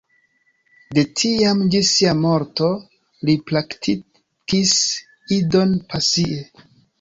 De tiam ĝis sia morto, li praktikis Idon pasie.